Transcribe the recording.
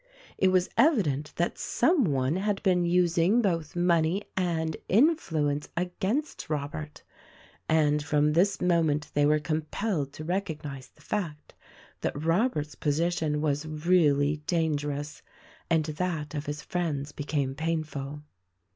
It was evident that some one had been using both money and influence against Robert ; and from this moment they were compelled to recog nize the fact that Robert's position was really dangerous — and that of his friends became painful.